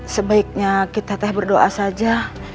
sebaiknya kita teh berdoa saja